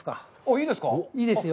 いいですよ。